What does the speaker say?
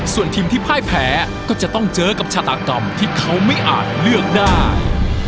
ส่วนทีมที่พ่ายแพ้ก็จะต้องเจอกับชาตากรรมที่เขาไม่อาจเลือกได้